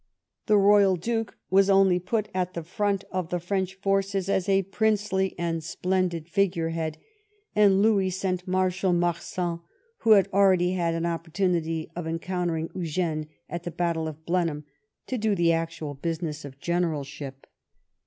The royal duke was only put at the front of the French forces as a princely and splendid figure head, and Louis sent Marshal Marsin, who had already had an oppor tunity of encountering Eugene at the battle of Blen heim, to do the actual business of generalship.